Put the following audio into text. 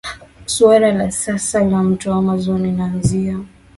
Sura ya sasa ya Mto Amazon inaanzia